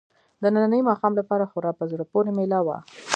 د ننني ماښام لپاره خورا په زړه پورې مېله وه.